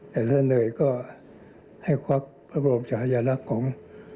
ถ้าเงยก็ให้ควรกรบบจ่ายอารักษ์ของ